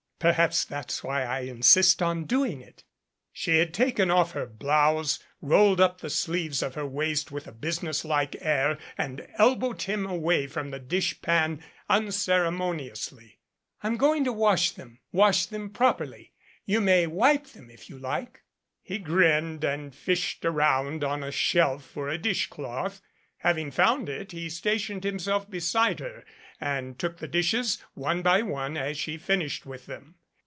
"Perhaps that's why I insist on doing it." She had taken off her blouse, rolled up the sleeves of her waist with a business like air and elbowed him away from the dishpan unceremoniously. "I'm going to wash them wash them properly. You may wipe them if you like." He grinned and fished around on a shelf for a dish cloth. Having found it he stationed himself beside her and took the dishes one by one as she finished with them.